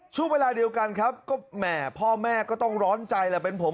ช่วงเวลาเดียวกันครับก็แหมพ่อแม่ก็ต้องร้อนใจแหละเป็นผม